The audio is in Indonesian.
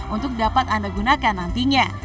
untuk dapat anda gunakan nantinya